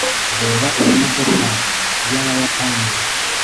Reba iyi modoka yabayapani